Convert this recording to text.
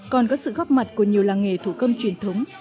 còn có sự góp mặt của nhiều làng nghề thủ công truyền thống